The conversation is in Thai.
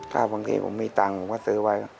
ถ้าบางทีผมมีตังค์ผมก็ซื้อไว้